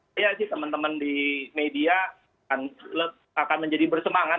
saya sih teman teman di media akan menjadi bersemangat